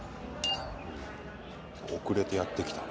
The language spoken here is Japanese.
遅れてやって来たね。